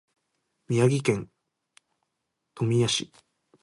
宮城県富谷市